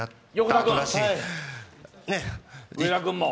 上田君も。